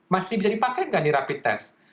masih bisa dipakai nggak nih rapid test